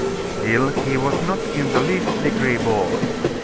Still, he was not in the least degree bored.